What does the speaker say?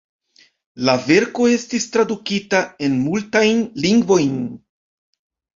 La verko estis tradukita en multajn lingvojn.